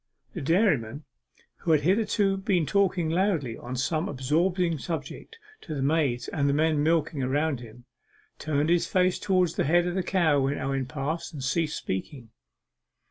The dairyman, who had hitherto been talking loudly on some absorbing subject to the maids and men milking around him, turned his face towards the head of the cow when Owen passed, and ceased speaking.